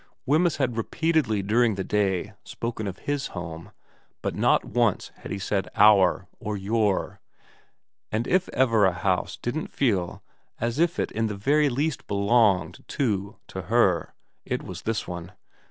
Wemyss had repeatedly during the day spoken of his home, but not once had he said ' our ' or ' your '; and if ever a house didn't feel as if it in the very least belonged, too, to her, it was this one.